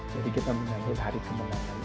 jadi kita menanggung hari kemarin